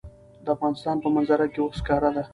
د افغانستان په منظره کې اوښ ښکاره ده.